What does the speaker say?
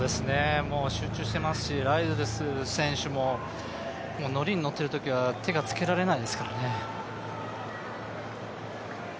集中していますし、ライルズ選手も乗りに乗っているときは手がつけられないですからね。